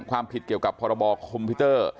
ความผิดเกี่ยวกับพรบคอมพิวเตอร์